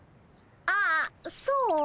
ああそう。